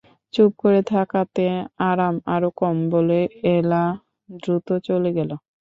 চুপ করে থাকাতে আরাম আরও কম– বলে এলা দ্রুত চলে গেল।